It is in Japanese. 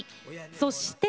そして。